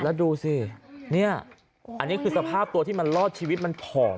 แล้วดูสิเนี่ยอันนี้คือสภาพตัวที่มันรอดชีวิตมันผอม